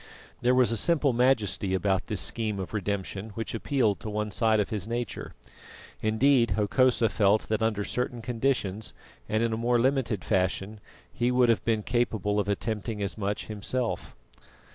There was a simple majesty about this scheme of redemption which appealed to one side of his nature. Indeed, Hokosa felt that under certain conditions and in a more limited fashion he would have been capable of attempting as much himself.